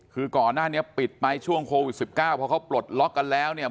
คือก่อนหน้านี้ปิดไปช่วงโควิด๑๙พอเขาปลดล็อกกันแล้วเนี่ย